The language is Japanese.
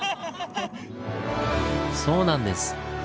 そうなんです！